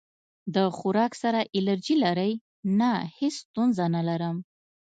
د خوراک سره الرجی لرئ؟ نه، هیڅ ستونزه نه لرم